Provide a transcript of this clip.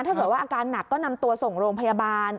ถ้าเกิดว่าอาการหนักก็นำตัวส่งโรงพยาบาล